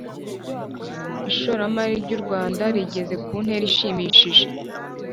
ishoramari ry’u Rwanda rigeze kuntera ishimishije